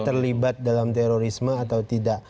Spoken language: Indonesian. terlibat dalam terorisme atau tidak